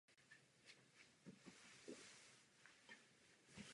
Nejvyšších stavů dosahuje v dubnu a v květnu.